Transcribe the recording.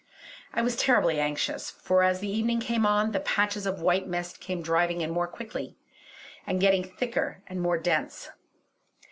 I was terribly anxious, for as the evening came on, the patches of white mist came driving in more quickly, and getting thicker and more dense.